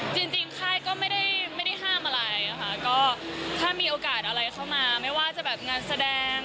จริงค่ายก็ไม่ได้ห้ามอะไรค่ะก็ถ้ามีโอกาสอะไรเข้ามาไม่ว่าจะแบบงานแสดง